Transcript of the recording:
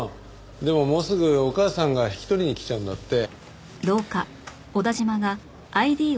でももうすぐお母さんが引き取りにきちゃうんだって。